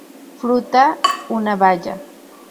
Fruta una baya.